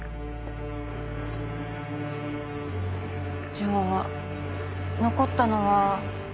じゃあ残ったのは。